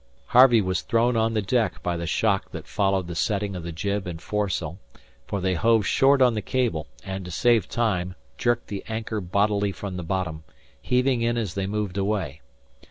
Harvey was thrown on the deck by the shock that followed the setting of the jib and foresail, for they hove short on the cable, and to save time, jerked the anchor bodily from the bottom, heaving in as they moved away.